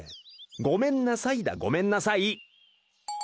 「ごめんなさい」だ「ごめんなさい」。